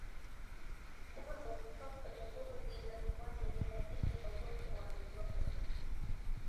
Damu kutoka kwenye ngozi na puani ni dqlili ya ugonjwa wa ndorobo